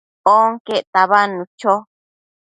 onquec tabadnu cho